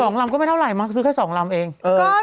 ลำก็ไม่เท่าไหร่มักซื้อแค่สองลำเอง